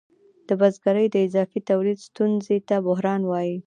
د بزګرۍ د اضافي تولید ستونزې ته بحران وايي